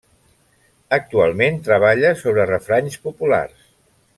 Actualment, treballa sobre refranys populars.